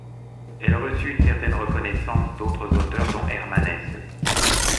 Elle reçut une certaine reconnaissance d’autres auteurs dont Hermann Hesse.